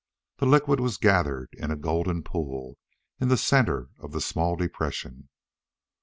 The liquid was gathered in a golden pool in the center of the small depression.